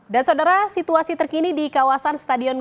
dan saudara situasi terkini di kawasan stadion gbk